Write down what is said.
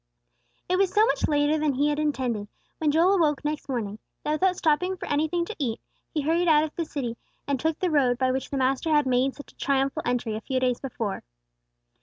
IT was so much later than he had intended, when Joel awoke next morning, that without stopping for anything to eat, he hurried out of the city, and took the road by which the Master had made such a triumphal entry a few days before.